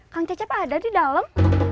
kang cecep ada di dalam